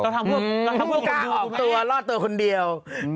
เราทำพวกตัวรอดตัวคนเดียว